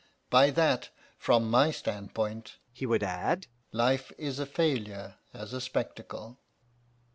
By that, from my standpoint,' he would add, 'life is a failure as a spectacle.